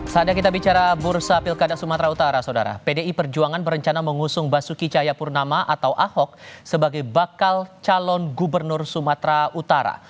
saatnya kita bicara bursa pilkada sumatera utara saudara pdi perjuangan berencana mengusung basuki cahayapurnama atau ahok sebagai bakal calon gubernur sumatera utara